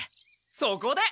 そこで！